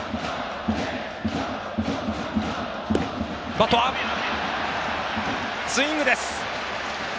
バットはスイングです！